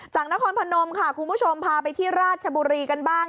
นครพนมค่ะคุณผู้ชมพาไปที่ราชบุรีกันบ้าง